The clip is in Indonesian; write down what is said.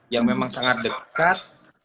yang memang sangat dekat